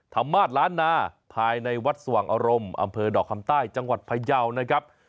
มาสล้านนาภายในวัดสว่างอารมณ์อำเภอดอกคำใต้จังหวัดพยาวนะครับ